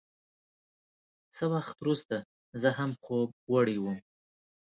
څه وخت وروسته زه هم خوب وړی وم.